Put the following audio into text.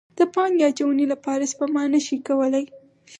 د پانګې اچونې لپاره سپما نه شي کولی.